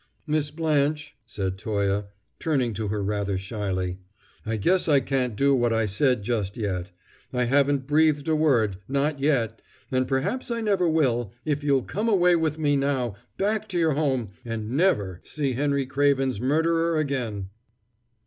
"Miss Blanche," said Toye, turning to her rather shyly, "I guess I can't do what I said just yet. I haven't breathed a word, not yet, and perhaps I never will, if you'll come away with me now back to your home and never see Henry Craven's murderer again!"